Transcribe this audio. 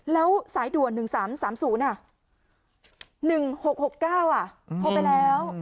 แล้วสายด่วนหนึ่งสามสามศูนย์อ่ะหนึ่งหกหกเก้าอ่ะโทรไปแล้ว